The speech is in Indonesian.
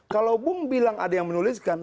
kalau bum bilang ada yang menuliskan